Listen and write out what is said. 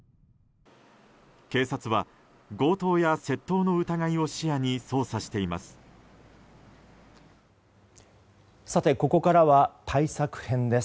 警察は強盗や窃盗の疑いを視野に捜査しています。